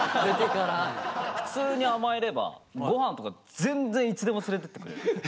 普通に甘えれば御飯とか全然いつでも連れてってくれる。